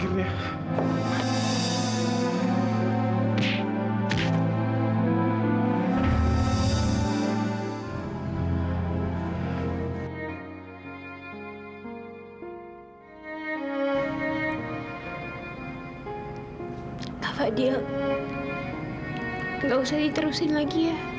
tidurlah kafa anakku sayang